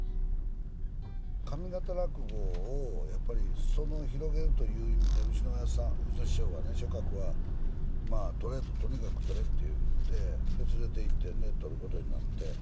上方落語を、やっぱりすそ野を広げるという意味で、うちのおやっさん、うちの師匠、松鶴がね、取れ、とにかく取れって言って、連れていって取ることになって。